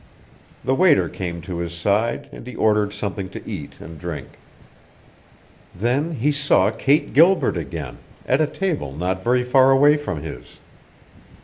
The waiter came to his side, and he ordered something to eat and drink. Then he saw Kate Gilbert again, at a table not very far away from his.